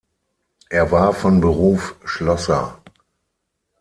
Er war von Beruf Schlosser.